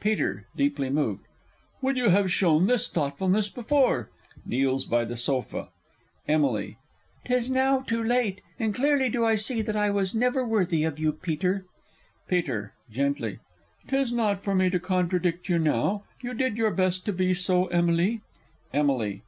Peter (deeply moved). Would you had shown this thoughtfulness before! [Kneels by the sofa. Emily. 'Tis now too late, and clearly do I see That I was never worthy of you, Peter. Peter (gently). 'Tis not for me to contradict you now. You did your best to be so, Emily! _Emily.